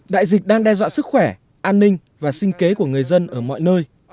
đại dịch đang đe dọa sức khỏe an ninh và sinh kế của người dân ở mọi nơi